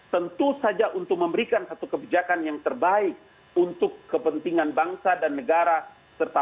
tentu saja untuk memberikan satu kebijakan yang terbaik untuk kepentingan bangsa dan negara